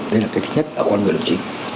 đấy là cái thứ nhất ở con người đồng chí